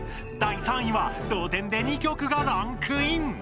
第３位は同点で２曲がランクイン。